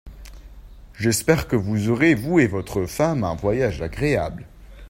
J'espère que vous aurez, vous et votre femme, un voyage agréable.